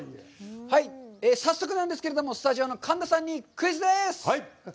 早速なんですけれども、スタジオの神田さんにクイズです。